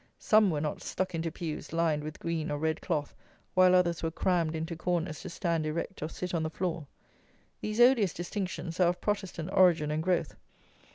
Some were not stuck into pews lined with green or red cloth, while others were crammed into corners to stand erect or sit on the floor. These odious distinctions are of Protestant origin and growth.